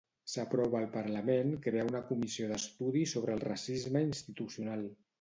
S'aprova al Parlament crear una comissió d'estudi sobre el racisme institucional.